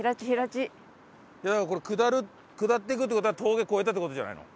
これ下る下っていくって事は峠越えたって事じゃないの？